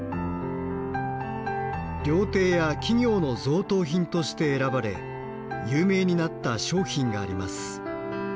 料亭や企業の贈答品として選ばれ有名になった商品があります。